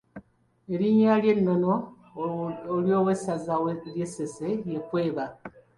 Erinnya ly’ennono ly’owessaza ly’e Ssese ye Kkweba.